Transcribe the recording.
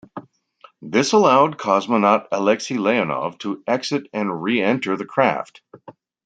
This allowed cosmonaut Aleksei Leonov to exit and re-enter the craft.